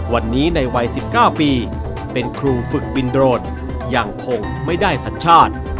วันนี้ในวัย๑๙ปีเป็นครูฝึกบินโดดยังคงไม่ได้สัญชาติ